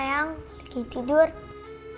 mama yang selama ini dianggap sudah meninggal